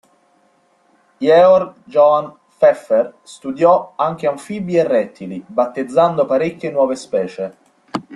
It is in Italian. Georg Johann Pfeffer studiò anche anfibi e rettili, battezzando parecchie nuove specie.